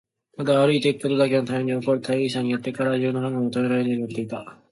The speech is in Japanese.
ただ歩いていくことだけのために起こる大儀さによって、彼は自分の考えをまとめられないようになっていた。